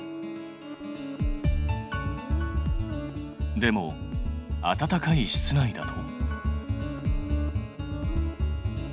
でも暖かい室内だと？